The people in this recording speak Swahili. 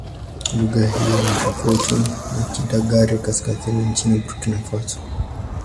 Lugha hiyo ni tofauti na Kidagaare-Kaskazini nchini Burkina Faso.